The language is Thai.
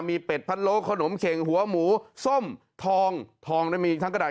มีเป็ดพะโล้ขนมเข็งหัวหมูส้มทองทองมีทั้งกระดาษ